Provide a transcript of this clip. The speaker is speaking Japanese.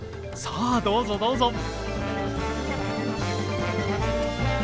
さあどうぞどうぞ。